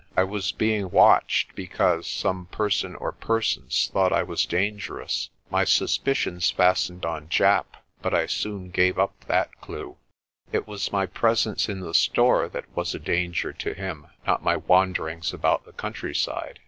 I was being watched because some person or persons thought I was dan gerous. My suspicions fastened on Japp, but I soon gave up that clue. It was my presence in the store that was a danger to him, not my wanderings about the countryside.